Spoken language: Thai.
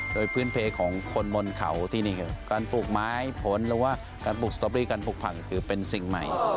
โดยพื้นเพลของคนบนเขาที่นี่คือการปลูกไม้ผลหรือว่าการปลูกสตอเบอรี่การปลูกผักคือเป็นสิ่งใหม่